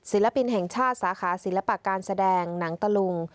ศิลปินแห่งชาติสาขาศิลปะการแสดงหนังตะลุง